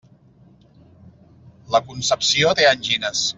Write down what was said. La Concepció té angines.